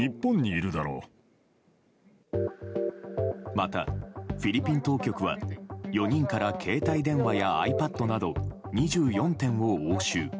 またフィリピン当局は４人から携帯電話やｉＰａｄなど２４点を押収。